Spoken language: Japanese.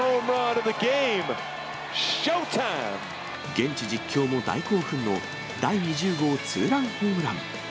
現地実況も大興奮の第２０号ツーランホームラン。